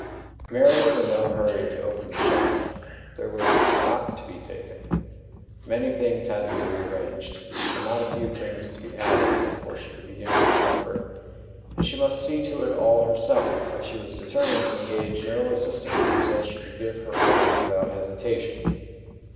Mary was in no hurry to open the shop. There was "stock to be taken," many things had to be rearranged, and not a few things to be added, before she could begin with comfort; and she must see to it all herself, for she was determined to engage no assistant until she could give her orders without hesitation.